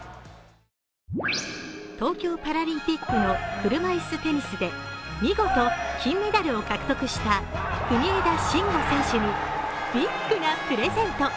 東京パラリンピックの車いすテニスで見事金メダルを獲得した国枝慎吾選手にビッグなプレゼント。